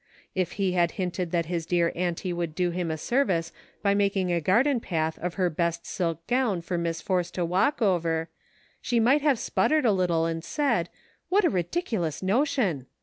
If he had hinted that his dear auntie would do him a service by making a garden path of her best silk gown for Miss Force to walk over, she might have sputtered a little and said, " What a ridiculous no tion